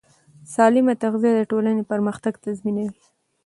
سالمه تغذیه د ټولنې پرمختګ تضمینوي.